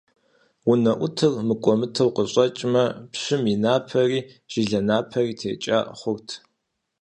УнэӀутыр мыкӀуэмытэу къыщӀэкӀмэ, пщым и напэри, жылэ напэри текӀа хъурт.